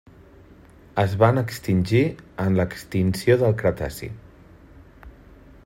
Es van extingir en l'extinció del Cretaci.